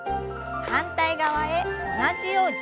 反対側へ同じように。